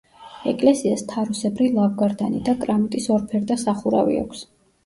ეკლესიას თაროსებრი ლავგარდანი და კრამიტის ორფერდა სახურავი აქვს.